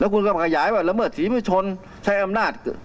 แล้วคุณก็ขยายว่าแล้วเมื่อศรีไม่ชนใช้อำนาจ